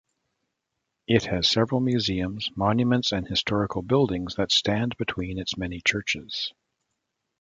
It has several museums, monuments and historical buildings that stand between its many churches.